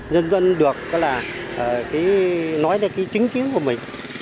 dân dân được cái là cái nói ra cái chính trí của mình